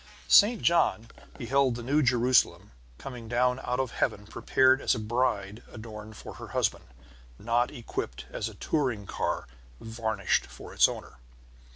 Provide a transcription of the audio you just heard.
St. John beheld the New Jerusalem coming down out of Heaven prepared as a bride adorned for her husband, not equipped as a touring car varnished for its owner.